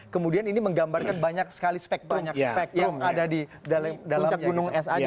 kemudian ini menggambarkan banyak sekali spektrum yang ada di puncak gunung es aja